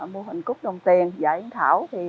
mô hình cút đồng tiền giải yên thảo